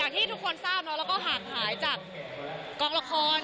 อย่างที่ทุกคนทราบเราก็ห่างหายจากกล้องละคร